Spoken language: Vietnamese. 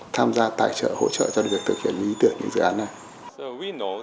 tham gia tài trợ hỗ trợ cho việc thực hiện những ý tưởng những dự án này